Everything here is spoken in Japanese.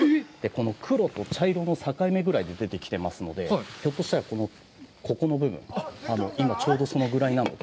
黒と茶色の境目ぐらいで出てますので、ひょっとしたら、ここの部分、今ちょうど、そのぐらいなので。